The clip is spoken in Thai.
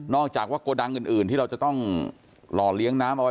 อกจากว่าโกดังอื่นที่เราจะต้องหล่อเลี้ยงน้ำเอาไว้